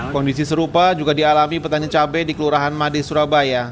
kondisi serupa juga dialami petani cabai di kelurahan made surabaya